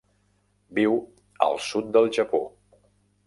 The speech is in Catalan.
Viu al sud del Japó.